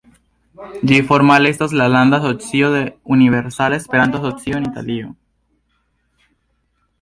Ĝi formale estas la landa asocio de Universala Esperanto-Asocio en Italio.